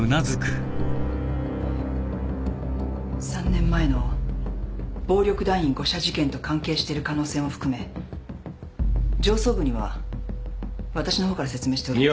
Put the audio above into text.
３年前の暴力団員誤射事件と関係してる可能性も含め上層部にはわたしの方から説明しておきます。